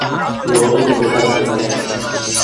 یوه ورځ به داسي راسي-